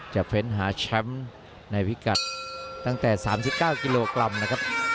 เฟ้นหาแชมป์ในพิกัดตั้งแต่๓๙กิโลกรัมนะครับ